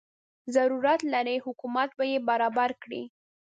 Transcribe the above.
ضرورت لري حکومت به یې برابر کړي.